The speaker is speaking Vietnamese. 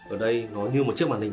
ở đây nó như một chiếc màn hình